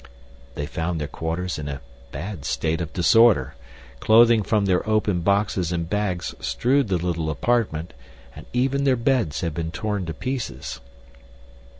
They found their quarters in a bad state of disorder. Clothing from their open boxes and bags strewed the little apartment, and even their beds had been torn to pieces.